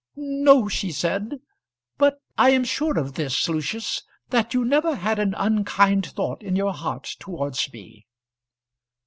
"No," she said. "But I am sure of this, Lucius, that you never had an unkind thought in your heart towards me."